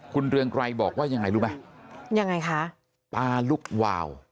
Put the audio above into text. คุณเรืองไกรบอกว่ายังไงรู้ไหมยังไงคะตาลุกวาว